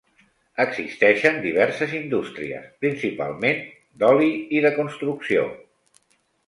Existeixen diverses indústries, principalment d'oli i de construcció.